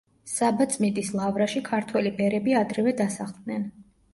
საბაწმიდის ლავრაში ქართველი ბერები ადრევე დასახლდნენ.